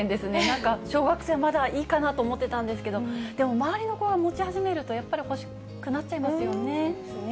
なんか小学生、まだいいかなと思ってたんですけど、でも、周りの子が持ち始めるとやっぱり欲しくなっちゃいますよね。